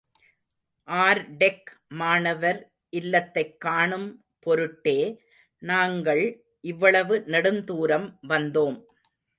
Artech மாணவர் இல்லத்தைக் காணும் பொருட்டே நாங்கள் இவ்வளவு நெடுந்தூரம் வந்தோம்.